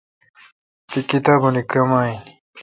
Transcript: تی کتابونی کم این؟